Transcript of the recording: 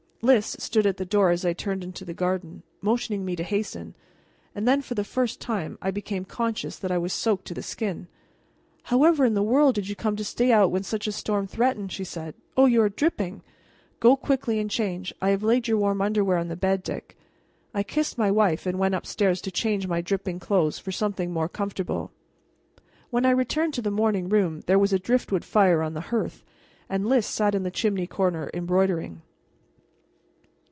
Lys stood at the door as I turned into the garden, motioning me to hasten; and then for the first time I became conscious that I was soaked to the skin. "However in the world did you come to stay out when such a storm threatened?" she said. "Oh, you are dripping! Go quickly and change; I have laid your warm underwear on the bed, Dick." I kissed my wife, and went upstairs to change my dripping clothes for something more comfortable. When I returned to the morning room there was a driftwood fire on the hearth, and Lys sat in the chimney corner embroidering.